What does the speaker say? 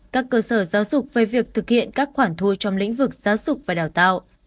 các cơ sở giáo dục về việc thực hiện các khoản thu trong lĩnh vực giáo dục và đào tạo